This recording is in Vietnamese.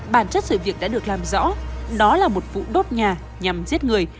bản chất sự việc đã được làm rõ đó là một vụ đốt nhà nhằm giết người